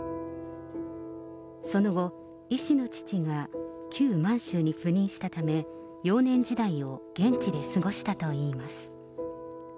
その後、医師の父が、旧満州に赴任したため、幼年時代を現地で過ごしたといいます。